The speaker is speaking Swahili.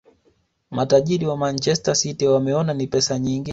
matajiri wa manchester city wameona ni pesa nyingi